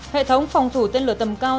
hệ thống phòng thủ tên lửa tầm cao